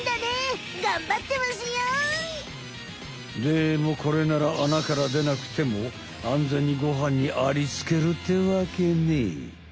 でもこれなら穴からでなくても安全にご飯にありつけるってわけね。